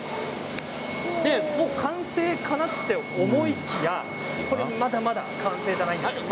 もう完成かなと思いきやまだまだ完成じゃないんですよね。